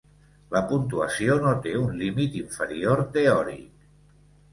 La puntuació no té un límit inferior teòric.